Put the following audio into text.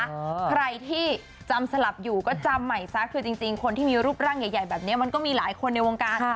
ใครที่จำสลับอยู่ก็จำใหม่ซะคือจริงคนที่มีรูปร่างใหญ่แบบนี้มันก็มีหลายคนในวงการ